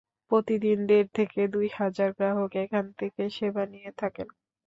প্রতিদিন দেড় থেকে দুই হাজার গ্রাহক এখান থেকে সেবা নিয়ে থাকেন।